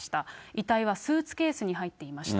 遺体はスーツケースに入っていました。